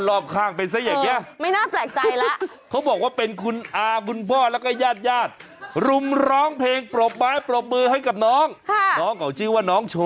น้องโชกุลอายุ๙เดือนเอง